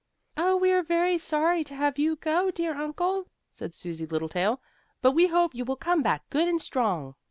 "Oh, we are very sorry to have you go, dear uncle," said Susie Littletail, "but we hope you'll come back good and strong."